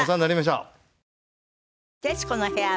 『徹子の部屋』は